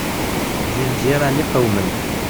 Deg lǧiran i qewmen.